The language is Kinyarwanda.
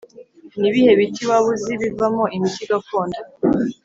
ni ibihe biti waba uzi bivamo imiti gakondo’